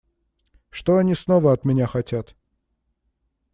Что они снова от меня хотят?